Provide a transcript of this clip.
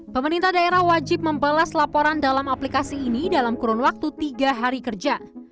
pemerintah daerah wajib membalas laporan dalam aplikasi ini dalam kurun waktu tiga hari kerja